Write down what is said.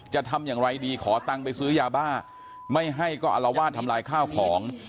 จะทำอย่างไรดีขอตังค์ไปซื้อยาบ้าไม่ให้ก็อลวาดทำลายข้าวของ